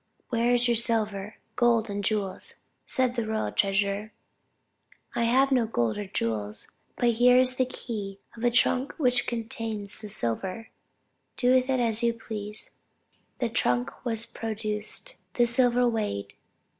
"Where is your silver, gold, and jewels?" said the royal treasurer. I have no gold or jewels, but here is the key of a trunk which contains the silver do with it as you please. The trunk was produced, and the silver weighed.